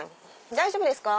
大丈夫ですか？